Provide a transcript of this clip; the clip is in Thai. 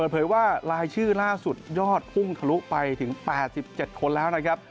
เผยว่ารายชื่อล่าสุดยอดพุ่งทะลุไปถึง๘๗คนแล้วนะครับ